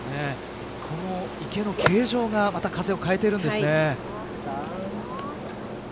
池の形状がまた風を変えているんですね。